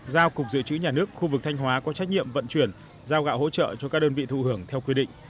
giao cục dự trữ nhà nước khu vực thanh hóa có trách nhiệm vận chuyển giao gạo hỗ trợ cho các đơn vị thụ hưởng theo quy định